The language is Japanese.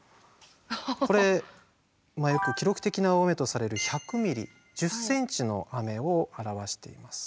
これよく記録的な大雨とされる１００ｍｍ１０ｃｍの雨を表しています。